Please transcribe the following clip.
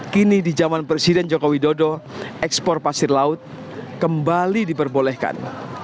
kini di jaman presiden jokowi dodo ekspor pasir laut kembali diperbolehkan